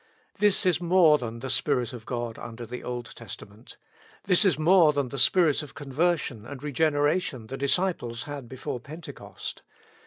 This is more than the Spirit of God under the Old Testa ment. This is more than the Spirit of conversion and regeneration the disciples had before Pentecost.